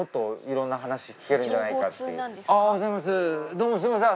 どうもすみません